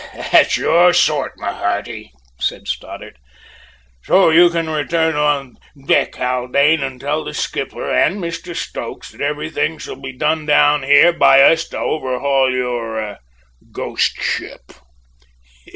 "That's your sort, my hearty," said Stoddart. "So you can return on deck, Haldane, and tell the skipper and Mr Stokes that everything shall be done down here by us to overhaul your `ghost ship.'"